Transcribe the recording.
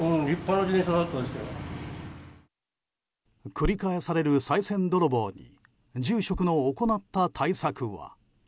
繰り返されるさい銭泥棒に住職の行った対策は。